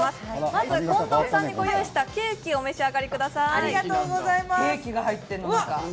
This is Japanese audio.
まず近藤さんにご用意したケーキをお召し上がりください。